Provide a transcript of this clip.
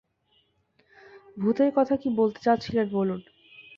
ভূতের কথা কি বলতে চাচ্ছিলেন বলুন।